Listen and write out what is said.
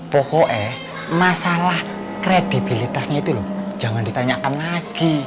pokoknya masalah kredibilitasnya itu loh jangan ditanyakan lagi